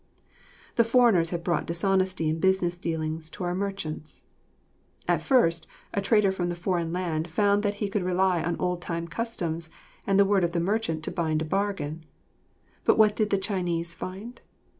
The foreigners have brought dishonesty in business dealings to our merchants. At first, the trader from the foreign land found that he could rely on old time customs and the word of the merchant to bind a bargain; but what did the Chinese find?